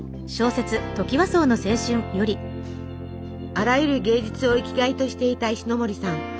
あらゆる芸術を生きがいとしていた石森さん。